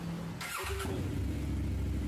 Evimdeyim.